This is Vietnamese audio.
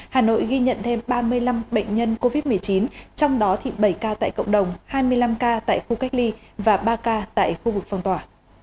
hà nội ghi nhận thêm ba mươi năm bệnh nhân covid một mươi chín trong đó bảy ca tại cộng đồng hai mươi năm ca tại khu cách ly và ba ca tại khu vực phong tỏa